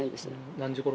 何時ごろ